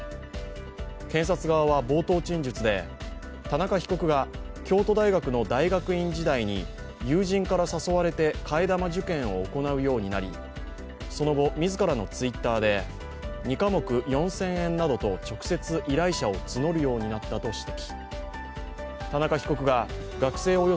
検察側は冒頭陳述で、田中被告が京都大学の大学院時代に友人から誘われて替え玉受験を行うようになりその後、自らのＴｗｉｔｔｅｒで、２科目４０００円などと直接、依頼者を募るようになったと指摘。